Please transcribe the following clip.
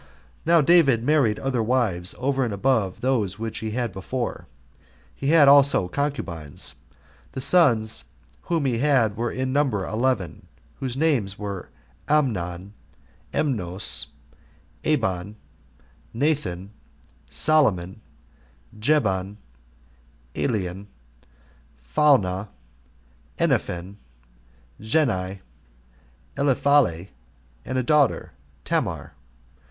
Now David married other wives over and above those which he had before: he had also concubines. The sons whom he had were in number eleven, whose names were Amnon, Emnos, Eban, Nathan, Solomon, Jeban, Elien, Phalna, Ennaphen, Jenae, Eliphale; and a daughter, Tamar.